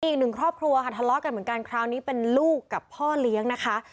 อีกหนึ่งครอบครัวค่ะทะเลาะกันเหมือนกันคราวนี้เป็นลูกกับพ่อเลี้ยงนะคะ